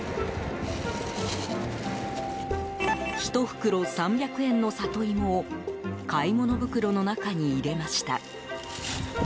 １袋３００円のサトイモを買い物袋の中に入れました。